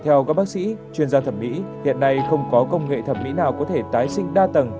theo các bác sĩ chuyên gia thẩm mỹ hiện nay không có công nghệ thẩm mỹ nào có thể tái sinh đa tầng